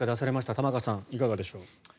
玉川さん、いかがでしょうか。